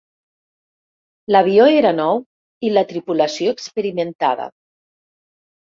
L'avió era nou i la tripulació, experimentada.